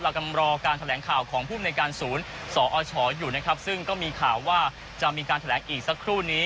กำลังรอการแถลงข่าวของภูมิในการศูนย์สอชอยู่นะครับซึ่งก็มีข่าวว่าจะมีการแถลงอีกสักครู่นี้